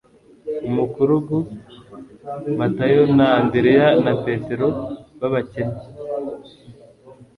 Umukurugu Matayo na Andereya na Petero b'abakene,